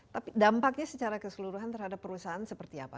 tapi dampaknya secara keseluruhan terhadap perusahaan seperti apa